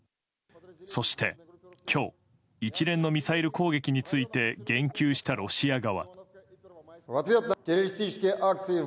そして今日一連のミサイル攻撃について言及したロシア側。